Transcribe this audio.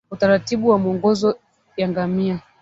Utaratibu wa mwongozo ya ngamia